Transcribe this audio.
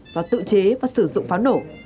do tự chế và sử dụng pháo nổ